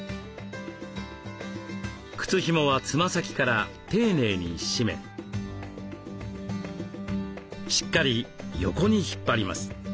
靴ひもはつま先から丁寧に締めしっかり横に引っ張ります。